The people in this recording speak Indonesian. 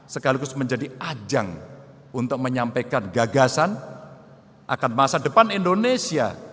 sekaligus menjadi ajang untuk menyampaikan gagasan akan masa depan indonesia